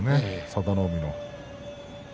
佐田の海の。